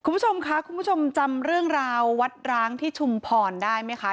คุณผู้ชมค่ะคุณผู้ชมจำเรื่องราววัดร้างที่ชุมพรได้ไหมคะ